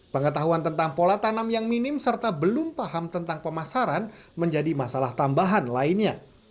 pengetahuan tentang pola tanam yang minim serta belum paham tentang pemasaran menjadi masalah tambahan lainnya